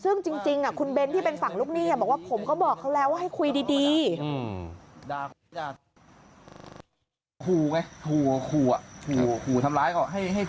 ซึ่งจริงคุณเบ้นที่เป็นฝั่งลูกหนี้บอกว่าผมก็บอกเขาแล้วว่าให้คุยดี